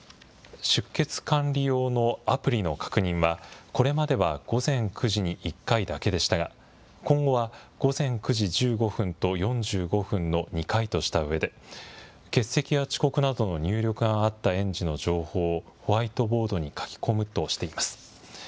出欠管理用のアプリの確認は、これまでは午前９時に１回だけでしたが、今後は午前９時１５分と４５分の２回としたうえで、欠席や遅刻などの入力があった園児の情報をホワイトボードに書き込むとしています。